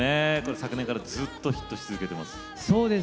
昨年からずっとヒットし続けています。